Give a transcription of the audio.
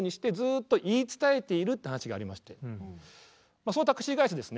まあそのタクシー会社ですね